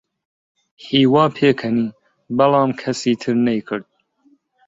هیوا پێکەنی، بەڵام کەسی تر نەیکرد.